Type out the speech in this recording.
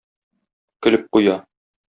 Көлеп куя.